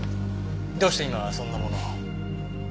どうして今そんなものを？